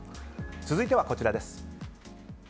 続いては、こちらです。